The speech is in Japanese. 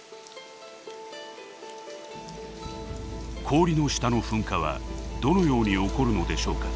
氷の下の噴火はどのように起こるのでしょうか。